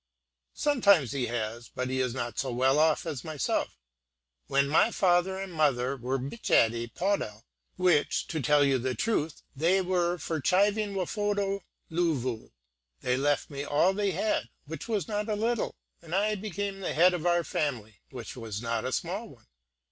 "Sometimes he has; but he is not so well off as myself. When my father and mother were bitchadey pawdel, which, to tell you the truth, they were for chiving wafodo dloovu, they left me all they had, which was not a little, and I became the head of our family, which was not a small one.